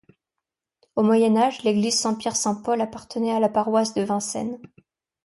Au Moyen-Age, l'église Saint-Pierre-Saint-Paul appartenait à la paroisse de Vincennes.